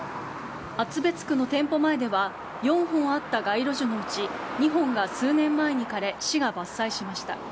厚別区の店舗前では４本あった街路樹のうち２本が数年前に枯れ市が伐採しました。